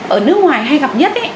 ở nước ngoài hay gặp nhất ấy